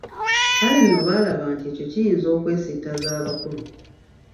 Kale nno baalaba nti ekyo kiyinza okwesittaza abakulu.